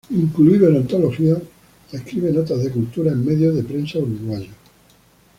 Incluido en antologías, escribe notas de cultura en medios de prensa uruguayos.